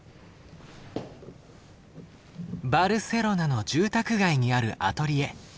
バルセロナの住宅街にあるアトリエ。